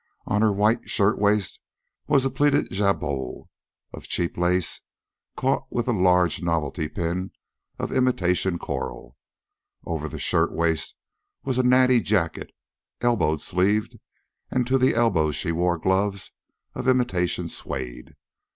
On her white shirtwaist was a pleated jabot of cheap lace, caught with a large novelty pin of imitation coral. Over the shirtwaist was a natty jacket, elbow sleeved, and to the elbows she wore gloves of imitation suede.